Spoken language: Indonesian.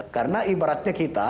karena ibaratnya kita